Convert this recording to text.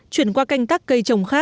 chuyển qua canh tắc cây trồng hoa